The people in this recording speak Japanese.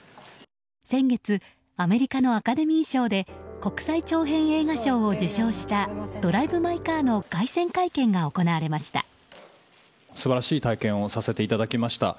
先月、アメリカのアカデミー賞で国際長編映画賞を受賞した「ドライブ・マイ・カー」の凱旋会見が行われました。